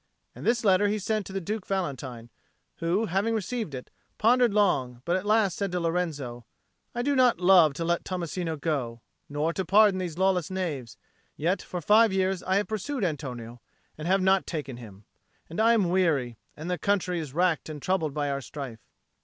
And this letter he sent to the Duke Valentine, who, having received it, pondered long, but at last said to Lorenzo, "I do not love to let Tommasino go, nor to pardon these lawless knaves; yet for five years I have pursued Antonio and have not taken him. And I am weary, and the country is racked and troubled by our strife."